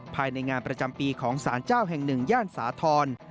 ภายในงานประจำปีของสารเจ้าแห่ง๑ย่านสาธรณ์